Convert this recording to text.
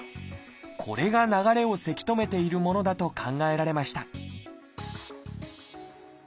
これが流れをせき止めているものだと考えられました